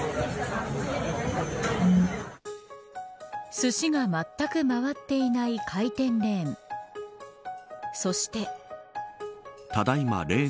すしがまったく回っていない回転レーン。